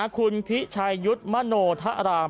คุณพิชัยุทมโนทะราม